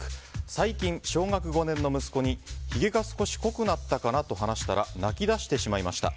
最近、小学５年の息子にひげが少し濃くなったかなと話したら泣き出してしまいました。